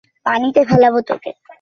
আঘাত করো, ভাই, আঘাত করো।